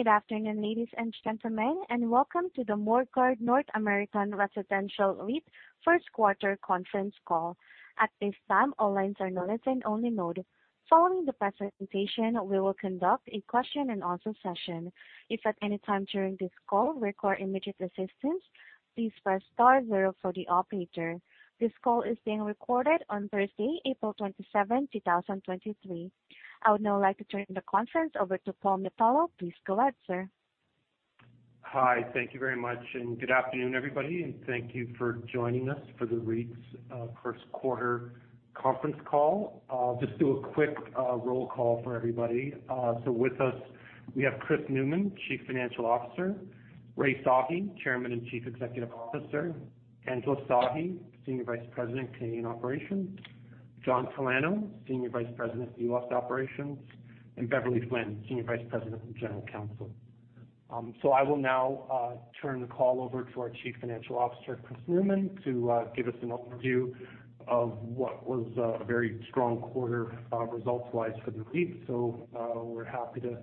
Good afternoon, ladies and gentlemen, and welcome to the Morguard North American Residential REIT first quarter conference call. At this time, all lines are in a listen only mode. Following the presentation, we will conduct a question and answer session. If at any time during this call require immediate assistance, please press star zero for the operator. This call is being recorded on Thursday, April 27, 2023. I would now like to turn the conference over to Paul Miatello. Please go ahead, sir. Hi. Thank you very much, and good afternoon, everybody, and thank you for joining us for the REIT's first quarter conference call. Just do a quick roll call for everybody. With us we have Chris Newman, Chief Financial Officer; Rai Sahi, Chairman and Chief Executive Officer; Angela Sahi, Senior Vice President, Canadian Operations; John Talano, Senior Vice President, US Operations; and Beverley Flynn, Senior Vice President and General Counsel. I will now turn the call over to our Chief Financial Officer, Chris Newman, to give us an overview of what was a very strong quarter, results-wise for the REIT. We're happy to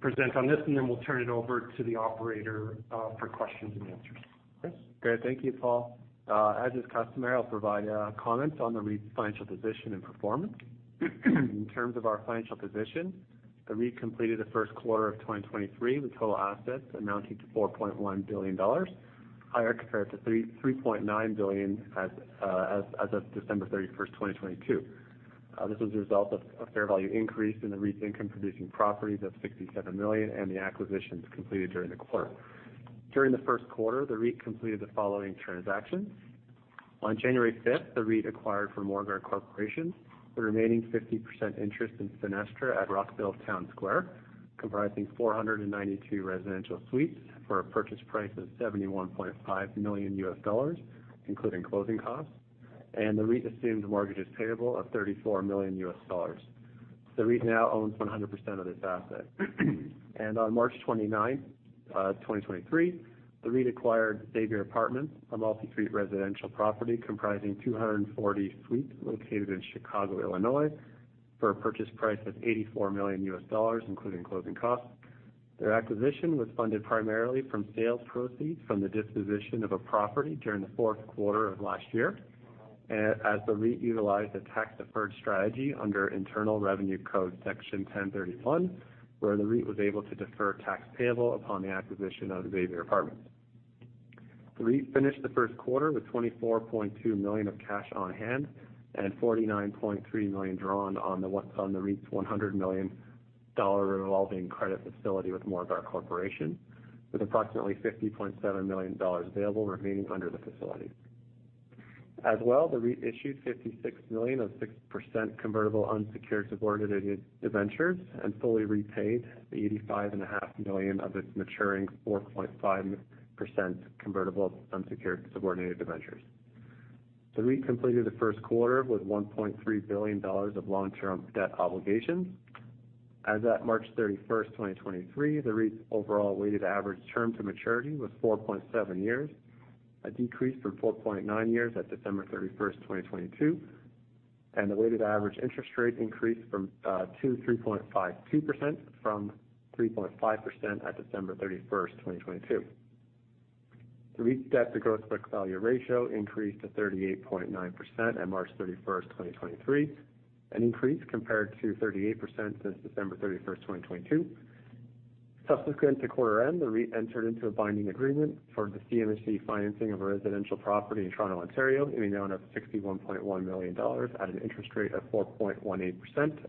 present on this, we'll turn it over to the operator for questions and answers. Chris? Great. Thank you, Paul. As is customary, I'll provide comments on the REIT's financial position and performance. In terms of our financial position, the REIT completed the first quarter of 2023 with total assets amounting to 4.1 billion dollars, higher compared to 3.9 billion as of December 31, 2022. This was a result of a fair value increase in the REIT's income-producing properties of 67 million and the acquisitions completed during the quarter. During the first quarter, the REIT completed the following transactions. On January 5th, the REIT acquired from Morguard Corporation the remaining 50% interest in Fenestra at Rockville Town Square, comprising 492 residential suites for a purchase price of $71.5 million, including closing costs, and the REIT assumed mortgages payable of $34 million. The REIT now owns 100% of this asset. On March 29th, 2023, the REIT acquired Xavier Apartments, a multi-suite residential property comprising 240 suites located in Chicago, Illinois, for a purchase price of $84 million, including closing costs. Their acquisition was funded primarily from sales proceeds from the disposition of a property during the fourth quarter of last year. As the REIT utilized a tax-deferred strategy under Internal Revenue Code Section 1031, where the REIT was able to defer tax payable upon the acquisition of Xavier Apartments. The REIT finished the first quarter with 24.2 million of cash on hand and 49.3 million drawn on the REIT's 100 million dollar revolving credit facility with Morguard Corporation, with approximately 50.7 million dollars available remaining under the facility. As well, the REIT issued 56 million of 6% convertible unsecured subordinated debentures and fully repaid the 85.5 million of its maturing 4.5% convertible unsecured subordinated debentures. The REIT completed the first quarter with 1.3 billion dollars of long term debt obligations. As at March 31st, 2023, the REIT's overall weighted average term to maturity was 4.7 years, a decrease from 4.9 years at December 31st, 2022, and the weighted average interest rate increased to 3.52% from 3.5% at December 31st, 2022. The REIT's debt to gross book value ratio increased to 38.9% at March 31st, 2023, an increase compared to 38% since December 31, 2022. Subsequent to quarter end, the REIT entered into a binding agreement for the CMHC financing of a residential property in Toronto, Ontario, and we now have 61.1 million dollars at an interest rate of 4.18%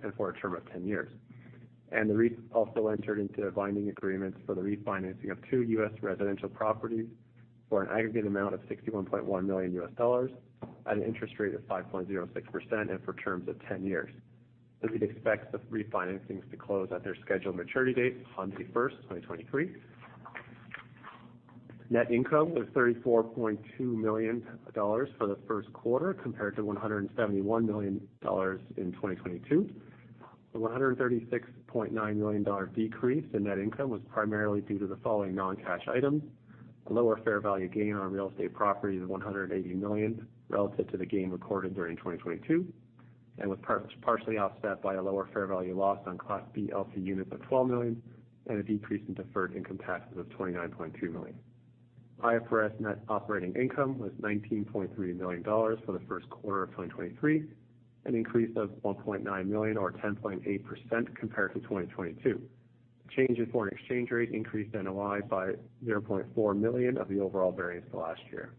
and for a term of 10 years. The REIT also entered into binding agreements for the refinancing of two U.S. residential properties for an aggregate amount of $61.1 million at an interest rate of 5.06% and for terms of 10 years. The REIT expects the refinancings to close at their scheduled maturity date, June 1st, 2023. Net income was 34.2 million dollars for the first quarter compared to 171 million dollars in 2022. The 136.9 million dollar decrease in net income was primarily due to the following non cash items, the lower fair value gain on real estate properties of 180 million relative to the gain recorded during 2022, and was partially offset by a lower fair value loss on Class B LP Units of 12 million and a decrease in deferred income taxes of 29.2 million. IFRS net operating income was 19.3 million dollars for the first quarter of 2023, an increase of 1.9 million or 10.8% compared to 2022. Change in foreign exchange rate increased NOI by 0.4 million of the overall variance to last year.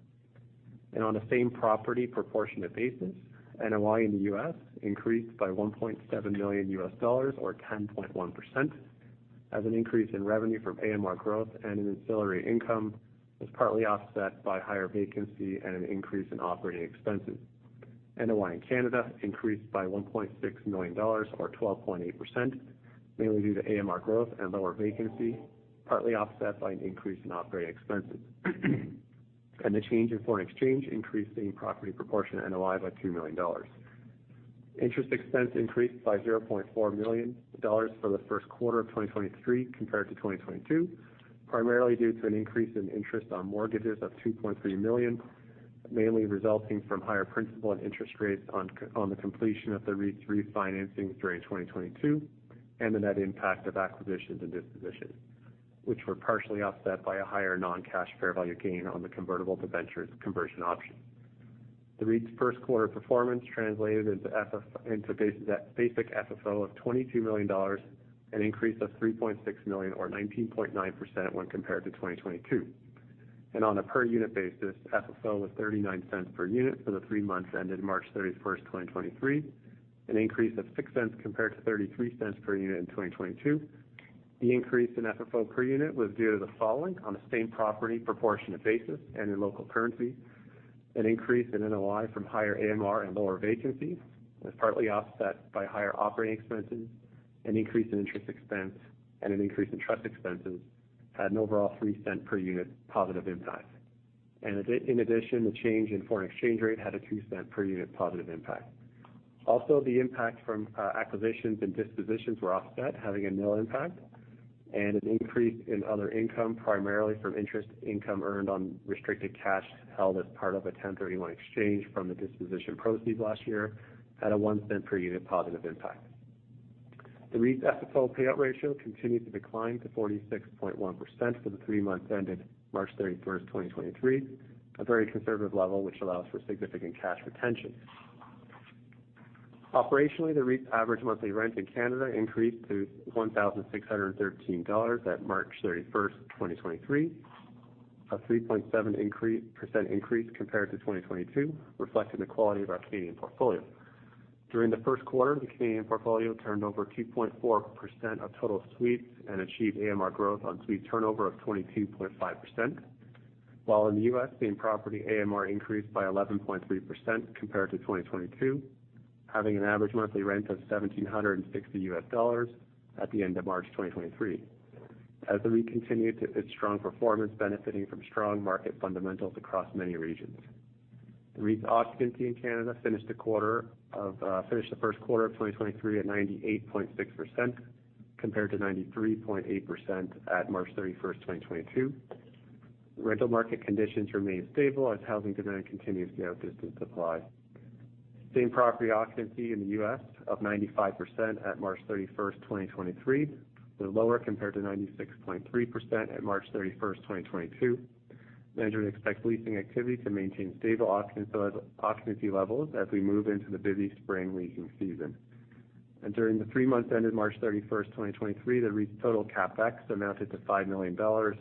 On a same property proportionate basis, NOI in the U.S. increased by $1.7 million or 10.1% as an increase in revenue from AMR growth and an ancillary income was partly offset by higher vacancy and an increase in operating expenses. NOI in Canada increased by 1.6 million dollars or 12.8%, mainly due to AMR growth and lower vacancy, partly offset by an increase in operating expenses. The change in foreign exchange increased the property proportionate NOI by 2 million dollars. Interest expense increased by 0.4 million dollars for the first quarter of 2023 compared to 2022, primarily due to an increase in interest on mortgages of 2.3 million, mainly resulting from higher principal and interest rates on the completion of the REIT's refinancings during 2022 and the net impact of acquisitions and dispositions, which were partially offset by a higher non cash fair value gain on the convertible debentures conversion option. The REIT's first quarter performance translated into basic FFO of 22 million dollars, an increase of 3.6 million or 19.9% when compared to 2022. On a per unit basis, FFO was 0.39 per unit for the three months ended March 31st, 2023, an increase of 0.06 compared to 0.33 per unit in 2022. The increase in FFO per unit was due to the following: On a same property proportion of basis and in local currency, an increase in NOI from higher AMR and lower vacancies was partly offset by higher operating expenses, an increase in interest expense, and an increase in trust expenses, had an overall 0.03 per unit positive impact. In addition, the change in foreign exchange rate had a 0.02 per unit positive impact. The impact from acquisitions and dispositions were offset, having a nil impact, and an increase in other income, primarily from interest income earned on restricted cash held as part of a 1031 exchange from the disposition proceeds last year, had a 0.01 per unit positive impact. The REIT's FFO payout ratio continued to decline to 46.1% for the three months ended March 31st, 2023, a very conservative level which allows for significant cash retention. Operationally, the REIT's average monthly rent in Canada increased to 1,613 dollars at March 31st, 2023, a 3.7% increase compared to 2022, reflecting the quality of our Canadian portfolio. During the first quarter, the Canadian portfolio turned over 2.4% of total suites and achieved AMR growth on suite turnover of 22.5%, while in the U.S., same property AMR increased by 11.3% compared to 2022, having an average monthly rent of $1,760 at the end of March 2023 as the REIT continued its strong performance benefiting from strong market fundamentals across many regions. The REIT's occupancy in Canada finished the first quarter of 2023 at 98.6% compared to 93.8% at March 31st, 2022. Rental market conditions remain stable as housing demand continues to outpace the supply. Same property occupancy in the U.S. of 95% at March 31st, 2023 was lower compared to 96.3% at March 31st, 2022. Management expects leasing activity to maintain stable occupancy levels as we move into the busy spring leasing season. During the three months ended March 31st, 2023, the REIT's total CapEx amounted to 5 million dollars.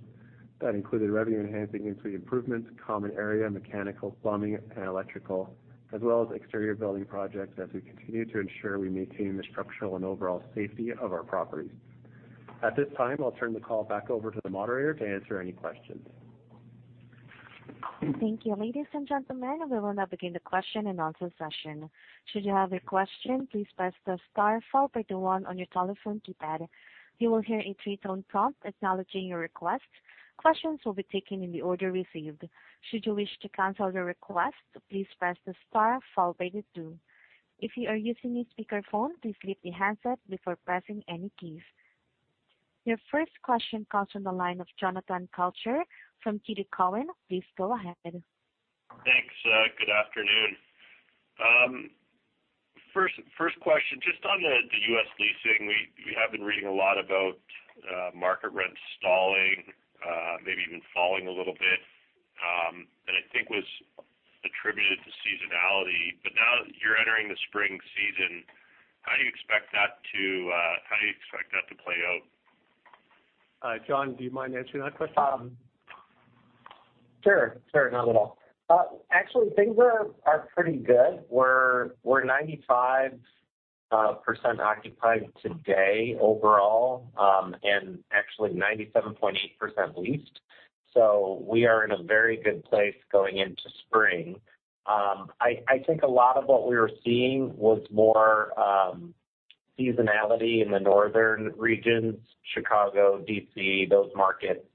That included revenue enhancing in-suite improvements, common area, mechanical, plumbing, and electrical, as well as exterior building projects as we continue to ensure we maintain the structural and overall safety of our properties. At this time, I'll turn the call back over to the moderator to answer any questions. Thank you. Ladies and gentlemen, we will now begin the question and answer session. Should you have a question, please press the star followed by the one on your telephone keypad. You will hear a three tone prompt acknowledging your request. Questions will be taken in the order received. Should you wish to cancel your request, please press the star followed by the two. If you are using a speakerphone, please lift the handset before pressing any keys. Your first question comes from the line of Jonathan Kelcher from TD Cowen. Please go ahead. Thanks, good afternoon. First question, just on the U.S. leasing, we have been reading a lot about market rent stalling, maybe even falling a little bit, that I think was attributed to seasonality. Now that you're entering the spring season, how do you expect that to, how do you expect that to play out? John, do you mind answering that question? Sure, sure. Not at all. Actually, things are pretty good. We're 95% occupied today overall, and actually 97.8% leased. We are in a very good place going into spring. I think a lot of what we were seeing was more seasonality in the northern regions, Chicago, D.C., those markets.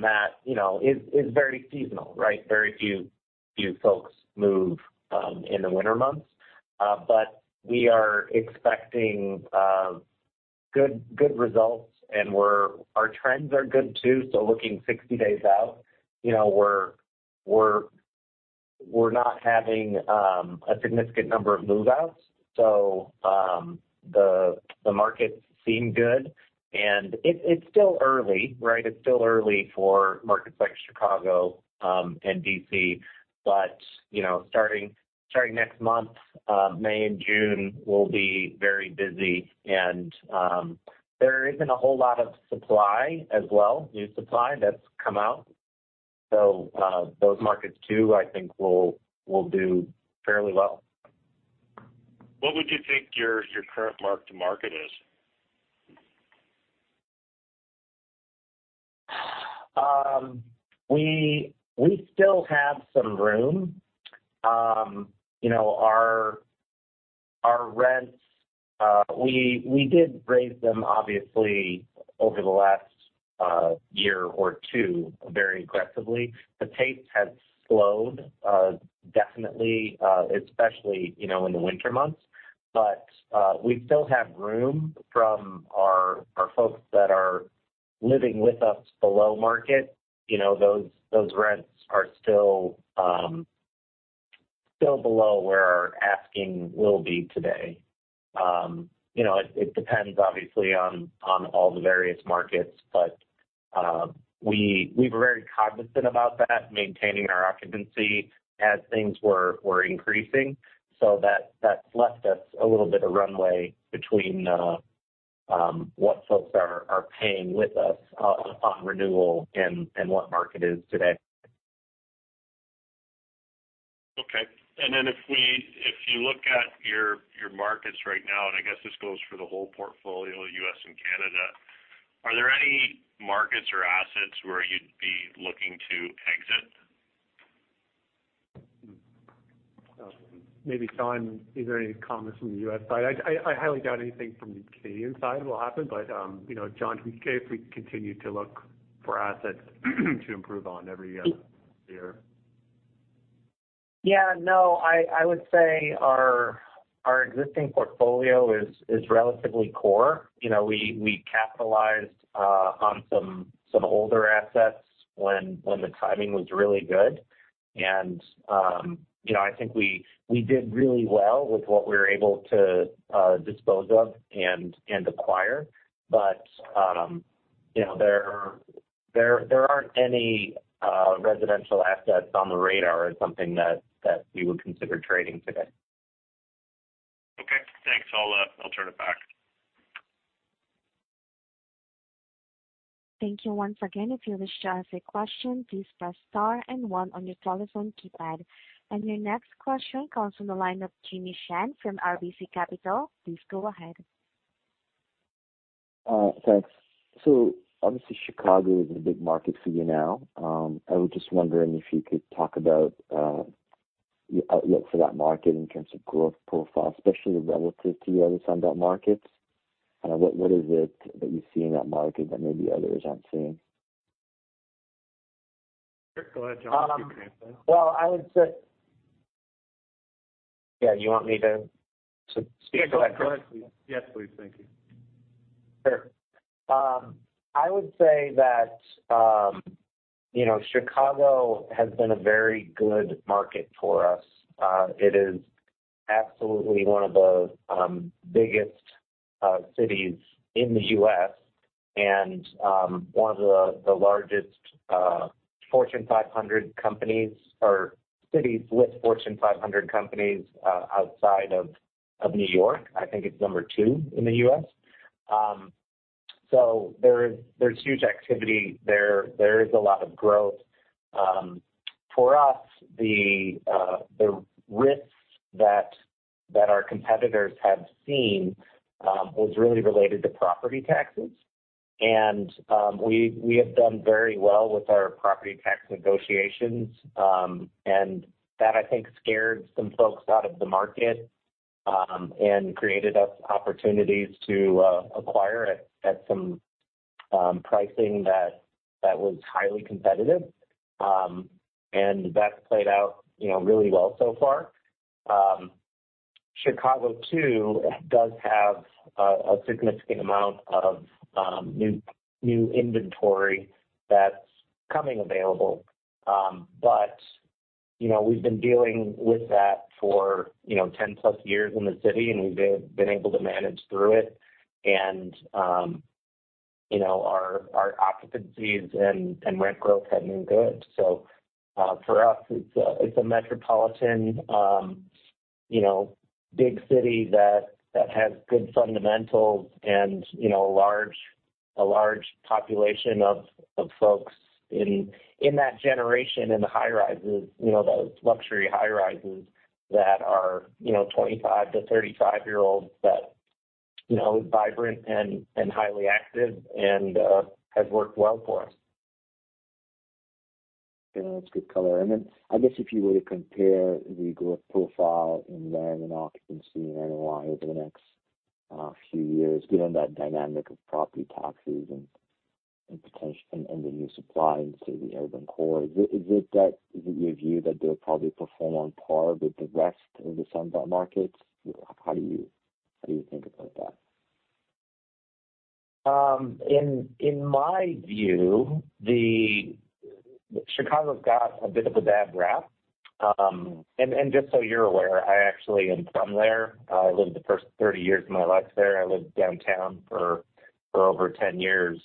That, you know, is very seasonal, right? Very few folks move in the winter months. We are expecting good results, and our trends are good too. Looking 60 days out, you know, we're not having a significant number of move outs, so the markets seem good. It's still early, right? It's still early for markets like Chicago and D.C., but, you know, starting next month, May and June will be very busy and there isn't a whole lot of supply as well, new supply that's come out. Those markets too I think will do fairly well. What would you think your current mark to market is? We still have some room. You know, our rents, we did raise them obviously over the last year or two very aggressively. The pace has slowed definitely, especially, you know, in the winter months. We still have room from our folks that are living with us below market, you know, those rents are still below where our asking will be today. You know, it depends obviously on all the various markets, but we were very cognizant about that, maintaining our occupancy as things were increasing. That's left us a little bit of runway between what folks are paying with us on renewal and what market is today. Okay. If you look at your markets right now, I guess this goes for the whole portfolio, U.S. and Canada, are there any markets or assets where you'd be looking to exit? Maybe, John, is there any comments from the US side? I highly doubt anything from the Canadian side will happen. You know, John, if we continue to look for assets to improve on every year. Yeah. No, I would say our existing portfolio is relatively core. You know, we capitalized on some older assets when the timing was really good. You know, I think we did really well with what we were able to dispose of and acquire. You know, there aren't any residential assets on the radar as something that we would consider trading today. Okay, thanks. I'll turn it back. Thank you once again. If you wish to ask a question, please press star and One on your telephone keypad. Your next question comes from the line of Jimmy Shan from RBC Capital. Please go ahead. Thanks. Obviously, Chicago is a big market for you now. I was just wondering if you could talk about your outlook for that market in terms of growth profile, especially relative to your other Sunbelt markets. What is it that you see in that market that maybe others aren't seeing? Sure. Go ahead, John. You can answer. Well, I would say... Yeah, you want me to speak? Yeah, go ahead please. Yes, please. Thank you. Sure. I would say that, you know, Chicago has been a very good market for us. It is absolutely one of the biggest cities in the U.S. and one of the largest Fortune 500 companies or cities with Fortune 500 companies outside of New York. I think it's number two in the U.S. So there's huge activity. There is a lot of growth. For us, the risks that our competitors have seen was really related to property taxes. We have done very well with our property tax negotiations. That, I think, scared some folks out of the market and created us opportunities to acquire at some pricing that was highly competitive. That's played out, you know, really well so far. Chicago too does have a significant amount of new inventory that's coming available. You know, we've been dealing with that for, you know, 10+ years in the city, and we've been able to manage through it. You know, our occupancies and rent growth have been good. For us, it's a metropolitan, you know, big city that has good fundamentals and, you know, a large population of folks in that generation, in the high-rises, you know, those luxury high rises that are, you know, 25-35 year olds that, you know, vibrant and highly active and has worked well for us. Yeah, that's good color. I guess if you were to compare the growth profile in rent and occupancy and NOI over the next few years, given that dynamic of property taxes and the new supply into the urban core, is it your view that they'll probably perform on par with the rest of the Sunbelt markets? How do you think about that? In my view, Chicago's got a bit of a bad rap. Just so you're aware, I actually am from there. I lived the first 30 years of my life there. I lived downtown for over 10 years.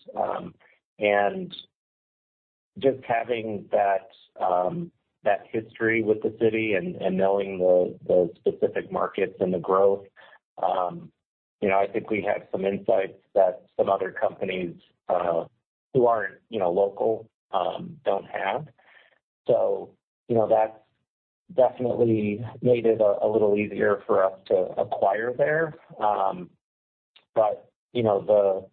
Just having that history with the city and knowing the specific markets and the growth, you know, I think we have some insights that some other companies who aren't, you know, local, don't have. You know, that's definitely made it a little easier for us to acquire there. You know,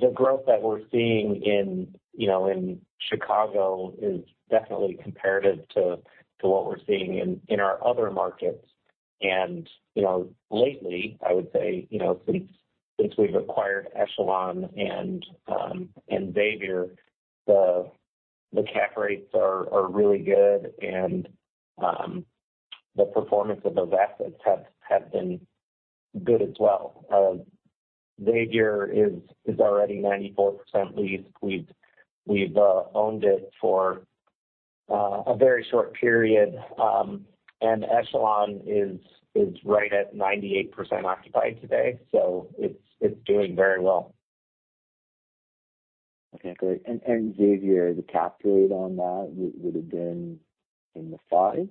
the growth that we're seeing in, you know, in Chicago is definitely comparative to what we're seeing in our other markets. You know, lately, I would say, you know, since we've acquired Echelon and Xavier, the cap rates are really good. The performance of those assets have been good as well. Xavier is already 94% leased. We've owned it for a very short period. Echelon is right at 98% occupied today, so it's doing very well. Okay, great. Xavier, the cap rate on that would have been in the fives?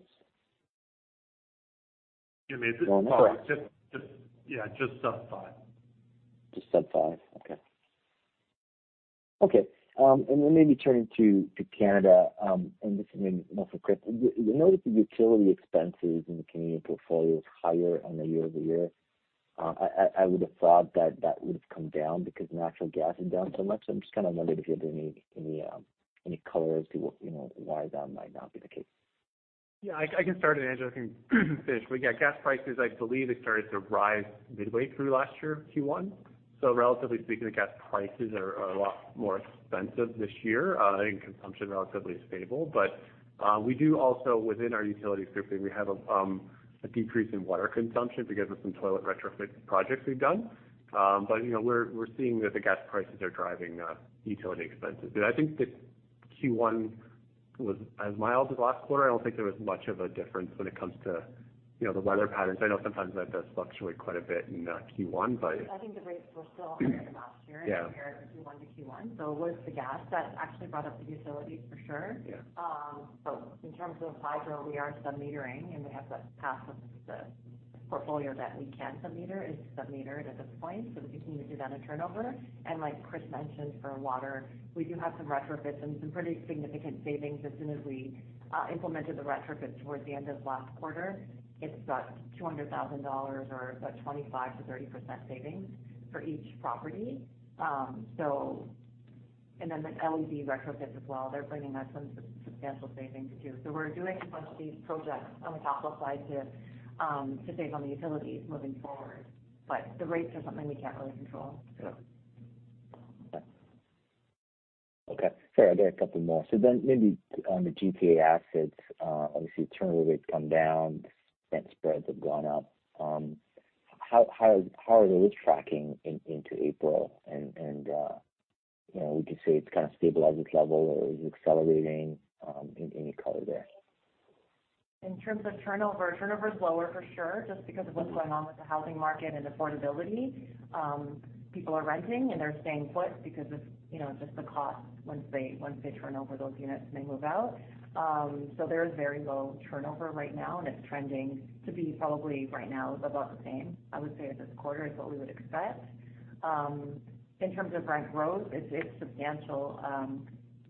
Yeah, maybe just. In the fours. Just, yeah, just sub five. Just sub five. Okay. Okay, and then maybe turning to Canada, and this maybe more for Chris. We noticed the utility expenses in the Canadian portfolio is higher on the year-over-year. I would have thought that that would have come down because natural gas is down so much. I'm just kinda wondering if you have any color as to what, you know, why that might not be the case. Yeah, I can start, and Angela can finish. We got gas prices, I believe it started to rise midway through last year, Q1. Relatively speaking, the gas prices are a lot more expensive this year. I think consumption relatively is stable. We do also within our utilities grouping, we have a decrease in water consumption because of some toilet retrofit projects we've done. You know, we're seeing that the gas prices are driving utility expenses. I think the Q1 was as mild as last quarter. I don't think there was much of a difference when it comes to, you know, the weather patterns. I know sometimes that does fluctuate quite a bit in Q1. I think the rates were still higher than last year. Yeah. -compare Q1 to Q1. It was the gas that actually brought up the utilities for sure. Yeah. In terms of hydro, we are sub-metering, and we have to pass the portfolio that we can sub-meter is sub-metered at this point. We continue to do that in turnover. Like Chris mentioned, for water, we do have some retrofits and some pretty significant savings as soon as we implemented the retrofits towards the end of last quarter. It's about 200,000 dollars or about 25%-30% savings for each property. The LED retrofits as well, they're bringing us some substantial savings too. We're doing a bunch of these projects on the capital side to save on the utilities moving forward. The rates are something we can't really control. Okay. Sorry, I got a couple more. Maybe on the GTA assets, obviously turnover rates come down and spreads have gone up. How are those tracking into April? You know, we can say it's kinda stabilized its level or is it accelerating, any color there? In terms of turnover is lower for sure, just because of what's going on with the housing market and affordability. People are renting and they're staying put because of, you know, just the cost once they, once they turn over those units and they move out. There is very low turnover right now, and it's trending to be probably right now is about the same, I would say at this quarter is what we would expect. In terms of rent growth, it's substantial. I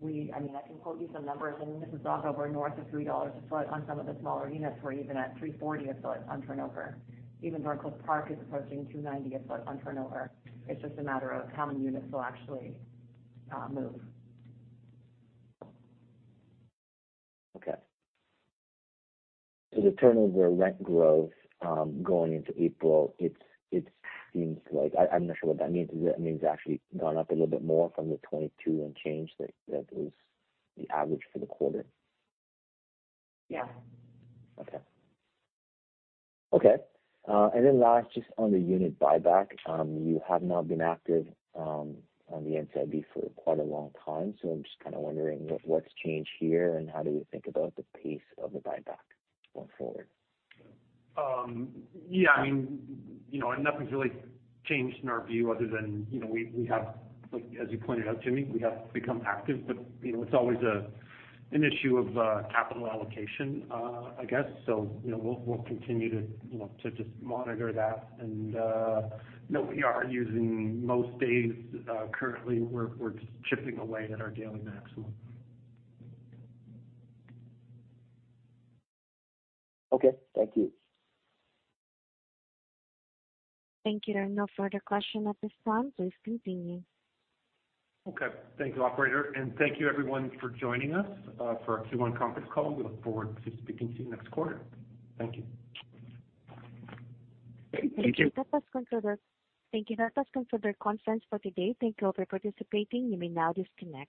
mean, I can quote you some numbers. I mean, this is all over north of 3 dollars a foot on some of the smaller units. We're even at 3.40 a foot on turnover. Even North Coast Park is approaching $2.90 a foot on turnover. It's just a matter of how many units will actually move. The turnover rent growth going into April, it seems like. I'm not sure what that means. Does that mean it's actually gone up a little bit more from the 22 and change that was the average for the quarter? Yeah. Okay. Okay, last, just on the unit buyback, you have not been active, on the NCIB for quite a long time. I'm just kinda wondering what's changed here, and how do you think about the pace of the buyback going forward? Yeah, I mean, you know, nothing's really changed in our view other than, you know, we have, like, as you pointed out, Jimmy, we have become active. You know, it's always an issue of capital allocation, I guess. You know, we'll continue to, you know, to just monitor that. No, we are using most days, currently we're just chipping away at our daily maximum. Okay, thank you. Thank you. There are no further question at this time. Please continue. Okay. Thank you, operator. Thank you everyone for joining us, for our Q1 conference call. We look forward to speaking to you next quarter. Thank you. Thank you. Thank you. That does conclude our conference for today. Thank you all for participating. You may now disconnect.